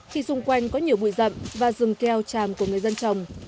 khi xung quanh có nhiều bụi rậm và rừng keo tràm của người dân trồng